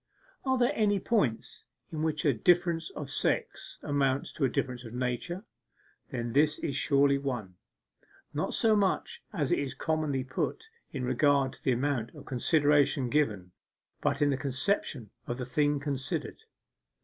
Are there any points in which a difference of sex amounts to a difference of nature? Then this is surely one. Not so much, as it is commonly put, in regard to the amount of consideration given, but in the conception of the thing considered.